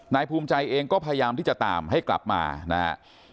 นายภูมิใจเองก็พยายามที่จะตามให้กลับมานะครับ